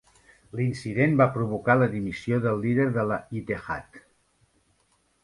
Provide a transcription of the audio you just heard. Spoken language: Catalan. L'incident va provocar la dimissió del líder de la "Ittehad".